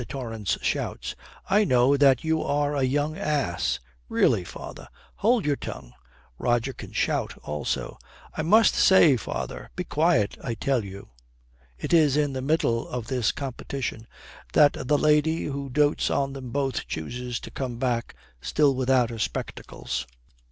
Torrance shouts. 'I know that you are a young ass.' 'Really, father ' 'Hold your tongue.' Roger can shout also. 'I must say, father ' 'Be quiet, I tell you.' It is in the middle of this competition that the lady who dotes on them both chooses to come back, still without her spectacles.